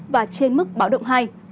và trên mức báo động hai